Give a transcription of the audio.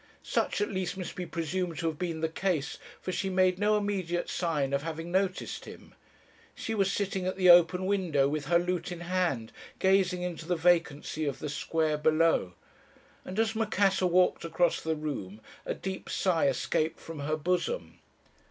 Such at least must be presumed to have been the case, for she made no immediate sign of having noticed him. She was sitting at the open window, with her lute in hand, gazing into the vacancy of the square below; and as Macassar walked across the room, a deep sigh escaped from her bosom.